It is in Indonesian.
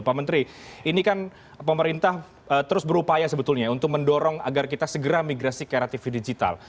pak menteri ini kan pemerintah terus berupaya sebetulnya untuk mendorong agar kita segera migrasi ke era tv digital